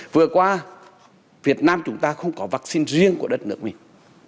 vừa qua việt nam chúng ta không có vắc xin riêng của đất nước mình